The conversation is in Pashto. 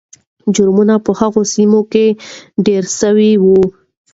جرمونه په هغو سیمو کې ډېر سوي وو.